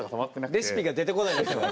レシピが出てこないんですよね。